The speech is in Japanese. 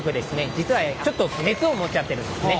実はちょっと熱を持っちゃってるんですね。